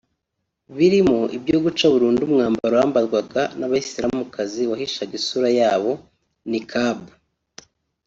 birimo ibyo guca burundu umwambaro wambarwaga n’Abayisilamukazi wahishaga isura yose (Niqab)